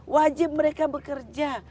wajib mereka bekerja